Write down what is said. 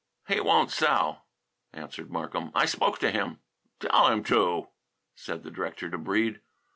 "He won't sell," answered Markham. "I spoke to him." "Tell him to," said the director to Breede.